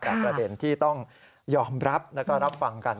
แต่ประเด็นที่ต้องยอมรับแล้วก็รับฟังกัน